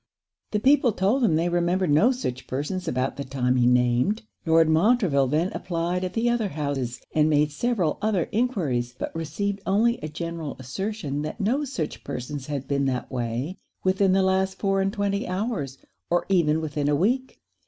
The people told him they remembered no such persons about the time he named. Lord Montreville then applied at the other houses, and made several other enquiries; but received only a general assertion that no such persons had been that way within the last four and twenty hours, or even within a week.